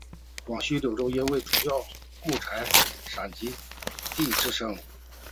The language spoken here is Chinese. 广西柳州因为是主要木材集散地之称。